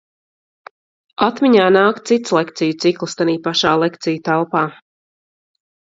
Atmiņā nāk cits lekciju cikls tanī pašā lekciju telpā.